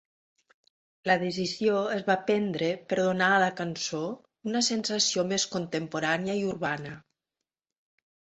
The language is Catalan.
La decisió es va prendre per donar a la cançó una sensació més contemporània i urbana.